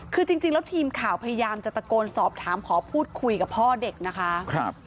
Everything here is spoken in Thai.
คือจริงแล้วทีมข่าวพยายามจะตะโกนสอบถามขอพูดคุยกับพ่อเด็กนะคะ